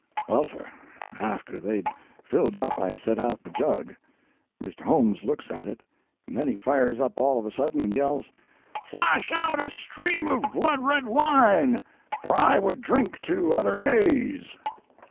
Well, sir, after they'd filled up I set out the jug. Mr. Holmes looks at it, and then he fires up all of a sudden and yells: "Flash out a stream of blood red wine! For I would drink to other days.'